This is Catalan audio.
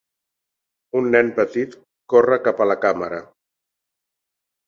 Un nen petit corre cap a la càmera.